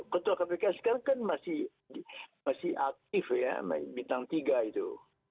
ketua kpk sekarang kan masih aktif ya bintang tiga itu